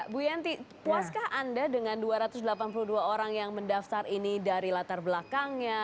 bu yanti puaskah anda dengan dua ratus delapan puluh dua orang yang mendaftar ini dari latar belakangnya